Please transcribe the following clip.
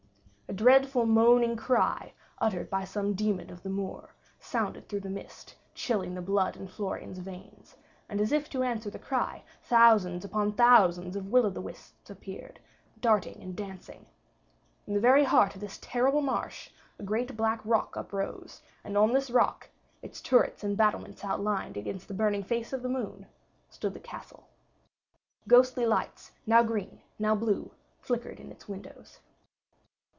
A dreadful moaning cry, uttered by some demon of the moor, sounded through the mist, chilling the blood in Florian's veins; and as if in answer to the cry, thousands upon thousands of will o' the wisps appeared, darting and dancing. In the very heart of this terrible marsh a great black rock uprose, and on this rock, its turrets and battlements outlined against the burning face of the moon, stood the castle. Ghostly lights, now green, now blue, flickered in its windows.